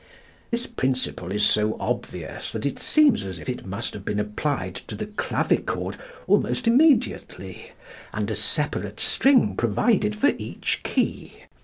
This principle is so obvious that it seems as if it must have been applied to the clavichord almost immediately and a separate string provided for each key.